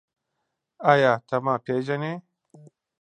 ایا ته ما پېژنې؟